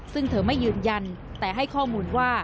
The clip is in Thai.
ซึ่งเธอไม่ยืนยันแต่ให้ข้อมูลว่า